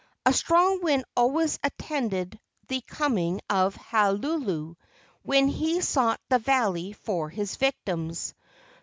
A strong wind always attended the coming of Halulu when he sought the valley for his victims.